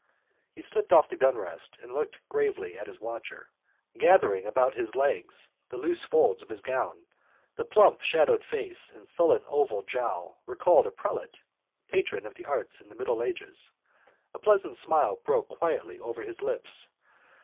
He skipped off the gunrest and looked gravely at his watcher, gathering about his legs the loose folds of his gown. The plump shadowed face and sullen oval jowl recalled a prelate, patron of arts in the middle ages. A pleasant smile broke quietly over his lips.